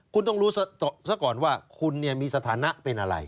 คุณต้องรู้ซะก่อนว่าคุณมีสถานะเป็นอะไร